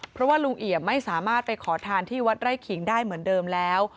เพราะว่าลุงเอี่ยมไม่สามารถไปขอทานที่วัดไร่ขิงได้เหมือนเดิมแล้ว